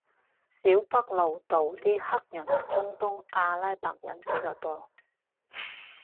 小北路度啲黑人中東阿拉伯人比較多